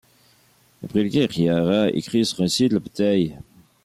Après la guerre, Yahara écrit son récit de la bataille.